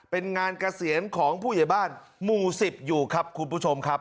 เป็นงานเกษียณของผู้ใหญ่บ้านหมู่๑๐อยู่ครับคุณผู้ชมครับ